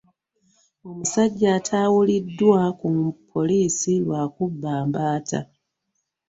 Omusajja ataawaliddwa ku poliisi lwa kubba mbaata.